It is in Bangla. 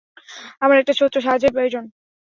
আমার একটা ছোট্ট সাহায্যের প্রয়োজন।